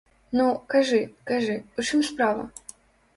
Ну, кажы, кажы, у чым справа?